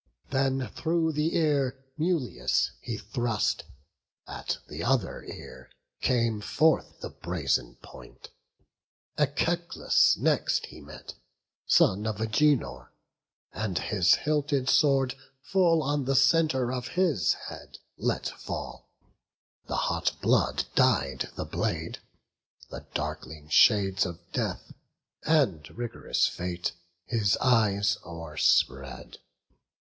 Then through the ear Mulius he thrust; at th' other ear came forth The brazen point. Echeclus next he met, Son of Agenor, and his hilted sword Full on the centre of his head let fall. The hot blood dy'd the blade; the darkling shades Of death, and rig'rous fate, his eyes o'erspread.